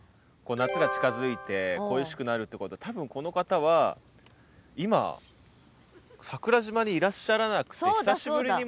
夏が近づいて恋しくなるってことは多分この方は今桜島にいらっしゃらなくて。